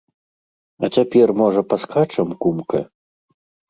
А цяпер, можа, паскачам, кумка?